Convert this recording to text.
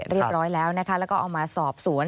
เรียบร้อยแล้วนะคะแล้วก็เอามาสอบสวน